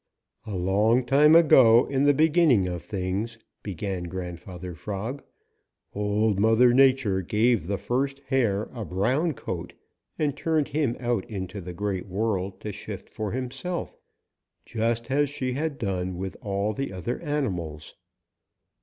"A long time ago, in the beginning of things," began Grandfather Frog, "Old Mother Nature gave the first Hare a brown coat and turned him out into the Great World to shift for himself, just as she had done with all the other animals.